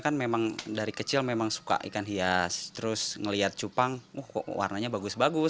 kan memang dari kecil memang suka ikan hias terus melihat cupang warnanya bagus bagus